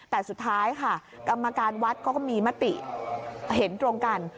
แต่สุดท้ายค่ะกรรมการวัดเขาก็มีมติเห็นตรงกัน